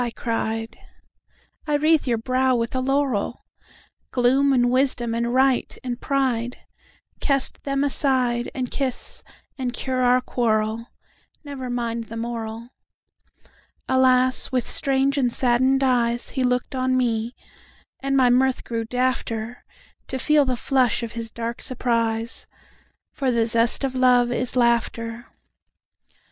I cried;"I wreathe your brow with a laurel! Gloom and wisdom and right and prideCast them aside, And kiss, and cure our quarrel. Never mind the moral!"Alas! with strange and saddened eyesHe looked on me; and my mirth grew dafter, To feel the flush of his dark surprise; For the zest of love is laughter.